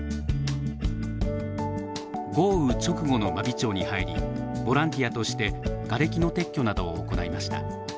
豪雨直後の真備町に入りボランティアとしてがれきの撤去などを行いました。